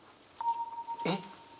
えっ？